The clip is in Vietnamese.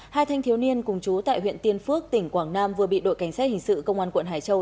hai thanh thiếu niên cùng chú tại huyện tiên phước tỉnh quảng nam vừa bị đội cảnh sát hình sự công an quận hải châu